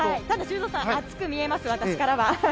ただ修造さん暑く見えます、私からは。